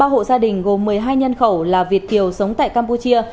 ba hộ gia đình gồm một mươi hai nhân khẩu là việt kiều sống tại campuchia